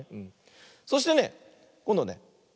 そしてねこんどね